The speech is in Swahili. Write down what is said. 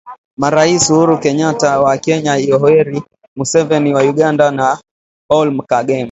Marais Uhuru Kenyata wa Kenya Yoweri Museveni wa Uganda na Paul Kagame